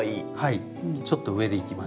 ちょっと上でいきましょうか。